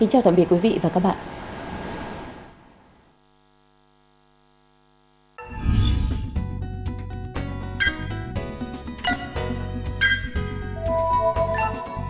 kính chào tạm biệt quý vị và các bạn